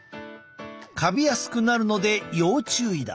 カビやすくなるので要注意だ。